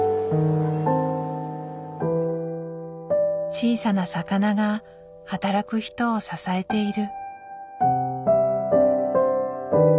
小さな魚が働く人を支えている。